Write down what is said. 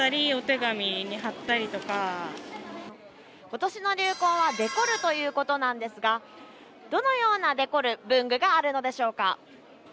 今年の流行は「デコる」ということなんですがどのようなデコる文具があるのでしょうか？